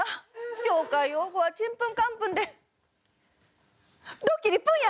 業界用語はちんぷんかんぷんでどっきりぷんや！